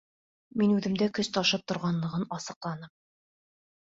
Мин үҙемдә көс ташып торғанлығын асыҡланым.